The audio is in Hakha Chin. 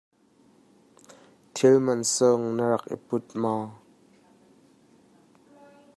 Thil mansung na rak i put maw?